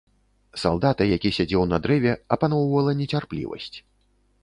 Салдата, які сядзеў на дрэве, апаноўвала нецярплівасць.